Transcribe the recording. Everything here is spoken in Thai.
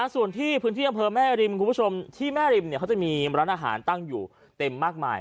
ส่วนที่พื้นที่อำเภอแม่ริมคุณผู้ชมที่แม่ริมเขาจะมีร้านอาหารตั้งอยู่เต็มมากมาย